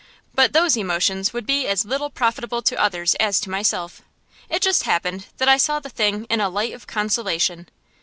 But those emotions would be as little profitable to others as to myself. It just happened that I saw the thing in a light of consolation.